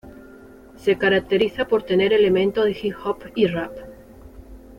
Se caracteriza por tener elementos de hip-hop y rap.